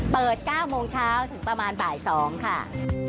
เปิด๙โมงเช้าถึงประมาณบ่ายสองค่ะ